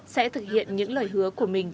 sẽ thực hiện những lời hứa của chúng ta